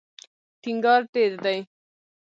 ټینګار ډېر دی.